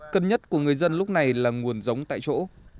cân nhất của người dân lúc này là nguồn giống tại chỗ